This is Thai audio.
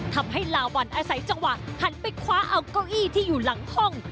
ทำให้ลาวันอาศัยจังหวะหันไปคว้าเอาเก้าอี้ที่อยู่หลังห้อง